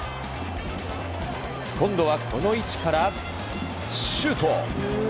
今度はこの位置からシュート！